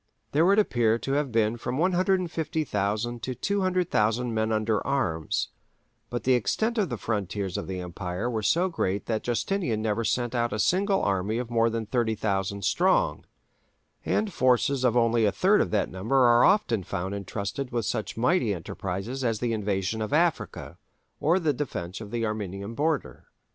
There would appear to have been from 150,000 to 200,000 men under arms, but the extent of the frontiers of the empire were so great that Justinian never sent out a single army of more than 30,000 strong, and forces of only a third of that number are often found entrusted with such mighty enterprises as the invasion of Africa or the defence of the Armenian border.